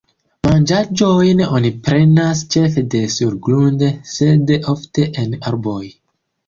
Manĝaĵojn oni prenas ĉefe de surgrunde sed ofte en arboj.